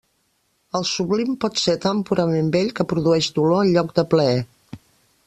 El sublim pot ser tan purament bell que produeix dolor en lloc de plaer.